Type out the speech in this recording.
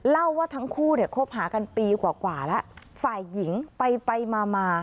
เล่าว่าทั้งคู่เนี่ยคบหากันปีกว่าแล้วฝ่ายหญิงไปไปมามา